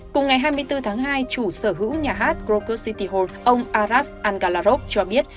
cùng ngày hai mươi bốn tháng hai chủ sở hữu nhà hát crocus city hall ông aras angalarov cho biết